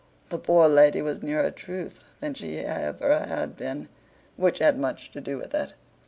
The poor lady was nearer Truth than she ever had been: which had much to do with it.